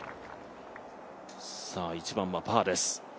１番はパーです。